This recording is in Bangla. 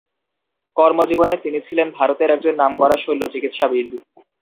কর্মজীবনে তিনি ছিলেন ভারতের একজন নামকরা শৈল্যচিকিৎসাবিদ।